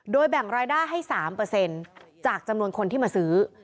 แบ่งรายได้ให้๓จากจำนวนคนที่มาซื้อ